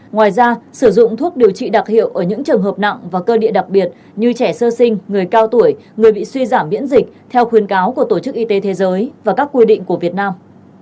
ngoài ra sử dụng thuốc điều trị đặc hiệu ở những trường hợp nặng và cơ địa đặc biệt như trẻ sơ sinh người cao tuổi người bị suy giảm biễn dịch theo khuyến cáo của tổ chức y tế thế giới và các quy định của việt nam